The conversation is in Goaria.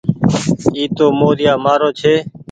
اي تو موريآ مآرو ڇي۔